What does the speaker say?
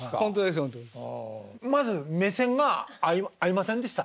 まず目線が合いませんでした。